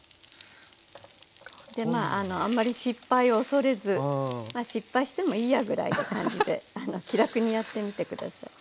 でまああんまり失敗を恐れずまあ失敗してもいいやぐらいな感じで気楽にやってみて下さい。